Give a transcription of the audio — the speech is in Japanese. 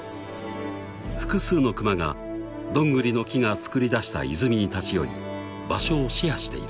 ［複数のクマがどんぐりの木がつくり出した泉に立ち寄り場所をシェアしている］